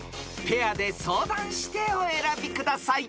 ［ペアで相談してお選びください］